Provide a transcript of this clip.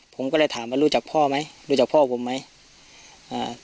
ผมก็เลยถามว่ารู้จักพ่อไหมรู้จักพ่อผมไหมอ่า